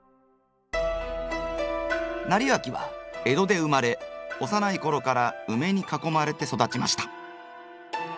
斉昭は江戸で生まれ幼い頃からウメに囲まれて育ちました。